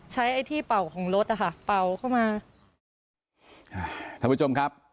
ไอ้ที่เป่าของรถอ่ะค่ะเป่าเข้ามาอ่าท่านผู้ชมครับ